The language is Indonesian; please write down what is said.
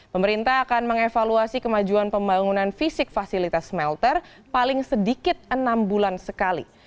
pemerintah akan mengevaluasi kemajuan pembangunan fisik fasilitas smelter paling sedikit enam bulan sekali